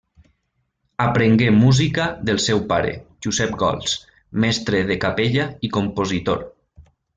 Aprengué música del seu pare, Josep Gols, mestre de capella i compositor.